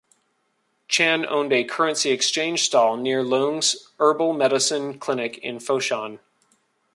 Chan owned a currency exchange stall near Leung's herbal medicine clinic in Foshan.